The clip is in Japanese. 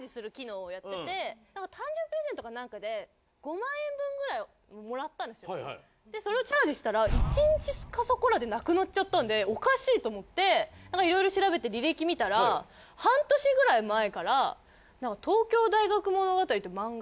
６年くらい前なんですけどそれこそでそれをチャージしたら１日かそこらでなくなっちゃったんでおかしいと思っていろいろ調べて履歴見たら半年くらい前から『東京大学物語』って漫画。